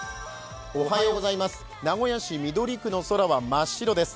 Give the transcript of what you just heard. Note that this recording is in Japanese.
名古屋市緑区の空は真っ白です